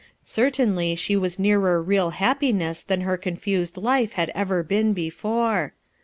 Certainly she was nearer real happiness than her confused life had ever been before.